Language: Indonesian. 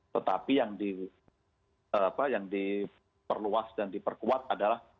tetapi yang diperluas dan diperkuat adalah